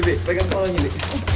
bebek bagian bawah ini